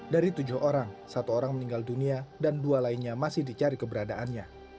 dari tujuh orang satu orang meninggal dunia dan dua lainnya masih dicari keberadaannya